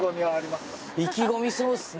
意気込みそうっすね